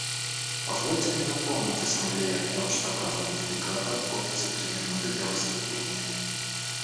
Позвольте мне напомнить Ассамблее о том, что каждому делегату отводится три минуты для выступления.